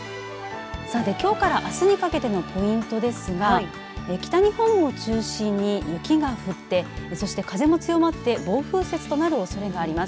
さて、きょうからあすにかけてのポイントですが北日本を中心に雪が降ってそして風も強まって暴風雪となるおそれがあります。